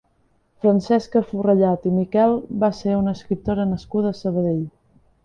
Francesca Forrellad i Miquel va ser una escriptora nascuda a Sabadell.